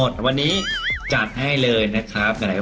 ขอให้เจอเดี๋ยวคนดีนะจ๊ะ